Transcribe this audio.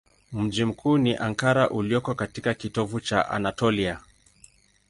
Mji mkuu ni Ankara ulioko katika kitovu cha Anatolia.